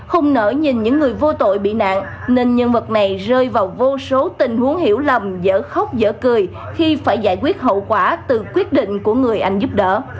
không nở nhìn những người vô tội bị nạn nên nhân vật này rơi vào vô số tình huống hiểu lầm dở khóc dỡ cười khi phải giải quyết hậu quả từ quyết định của người anh giúp đỡ